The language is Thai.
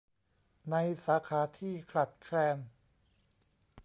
ในสาขาที่ขาดแคลน